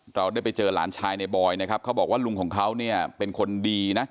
เราได้ไปเจอหลานชายในบอยนะครับเขาบอกว่าลุงของเขาเนี่ยเป็นคนดีนะ